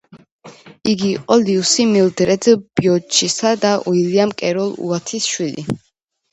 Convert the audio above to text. იგი იყო ლიუსი მილდრედ ბიორჩისა და უილიამ კეროლ უაიათის შვილი.